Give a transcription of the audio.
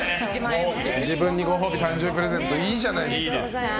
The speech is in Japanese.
自分に、ご褒美誕生プレゼントいいじゃないですか。